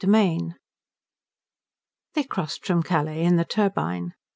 III They crossed from Calais in the turbine.